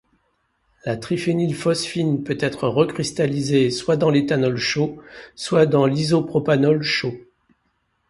La triphénylphosphine peut être recristallisée soit dans l'éthanol chaud soit dans l'isopropanol chaud.